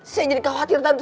saya jadi khawatir tante